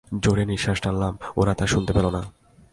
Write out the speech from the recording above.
জোরে নিশ্বাস টানলাম, ওরা তা শুনতে পেল না।